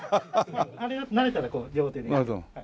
慣れたらこう両手で。